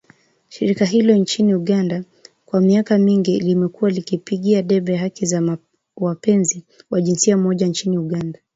Shirika hilo nchini Uganda (SMUG) kwa miaka mingi limekuwa likipigia debe haki za wapenzi wa jinsia moja nchini Uganda